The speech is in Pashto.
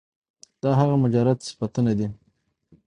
دا هغه مجرد صفتونه دي